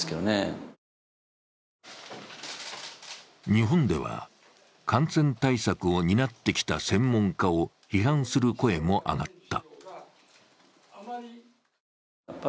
日本では感染対策を担ってきた専門家を批判する声も上がった。